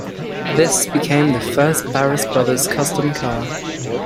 This became the first Barris Brothers custom car.